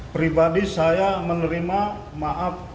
pribadi saya menerima maaf